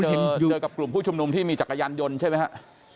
เจอกับกลุ่มผู้ชุมนุมที่มีจักรยานยนต์ใช่ไหมฮะ